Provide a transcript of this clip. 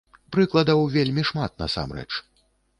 Прыкладаў вельмі шмат насамрэч.